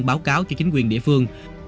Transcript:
báo cáo cho chính quyền địa phương